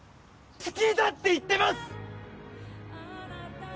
好きだって言ってます！